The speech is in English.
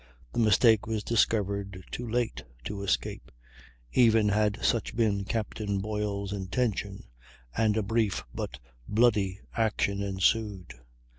The mistake was discovered too late to escape, even had such been Captain Boyle's intention, and a brief but bloody action ensued.